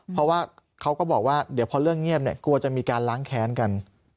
เพราะว่าเขาก็บอกว่าเดี๋ยวพอเรื่องเงียบเนี่ยกลัวจะมีการล้างแค้นกัน